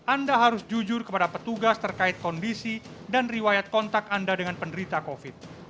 anda harus jujur kepada petugas terkait kondisi dan riwayat kontak anda dengan penderita covid